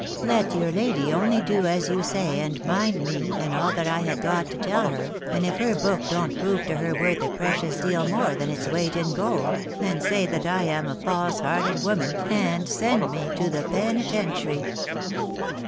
Let your lady only do as you say, and mind me, and all that I have got to tell her, and if her book don't prove to her worth a precious deal more than its weight in gold, then say that I am a false hearted woman, and send me to the Penitentiary."